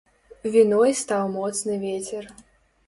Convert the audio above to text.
Віной стаў моцны вецер.